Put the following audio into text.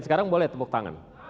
sekarang boleh tepuk tangan